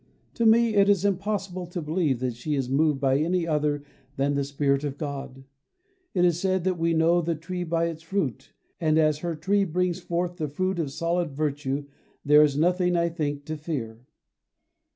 To me it is impossible to believe that she is moved by any other than the Spirit of God. It is said that we know the tree by its fruit, and as her tree brings forth the fruit of solid virtue there is nothing, I think, to fear.